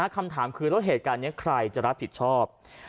คำถามคือแล้วเหตุการณ์นี้ใครจะรับผิดชอบ